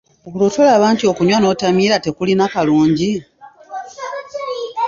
Olwo tolaba nti okunywa n'otamiira tekulina kalungi?